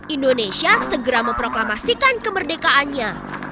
indonesia segera memproklamasikan kemerdekaannya